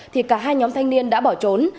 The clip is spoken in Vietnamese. thì cả hai nhóm thanh niên đã bỏ trốn